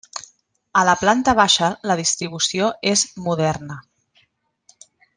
A la planta baixa la distribució és moderna.